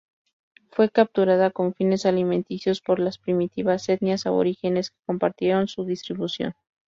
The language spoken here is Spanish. Fue capturada con fines alimenticios por las primitivas etnias aborígenes que compartieron su distribución.